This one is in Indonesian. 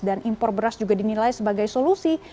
dan impor beras juga dinilai sebagai solusi